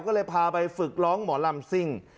ก็เลยพาไปฝึกร้องหมอลำซิ่ง